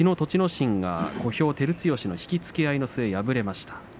心が、小兵照強の引き付け合いの末、敗れました。